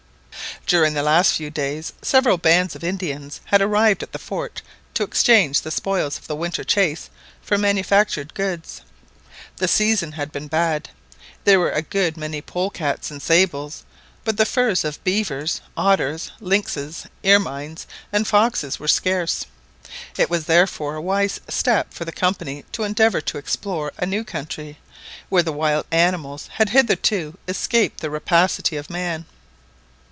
During the last few days several bands of Indians had arrived at the fort to exchange the spoils of the winter chase for manufactured goods. The season had been bad. There were a good many polecats and sables; but the furs of beavers, otters, lynxes, ermines, and foxes were scarce. It was therefore a wise step for the Company to endeavour to explore a new country, where the wild animals had hitherto escaped the rapacity of man.